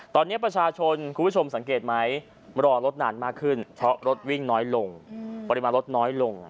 ตอนนี้ประชาชนคุณผู้ชมสังเกตไหมรอรถนานมากขึ้นเพราะรถวิ่งน้อยลงปริมาณรถน้อยลง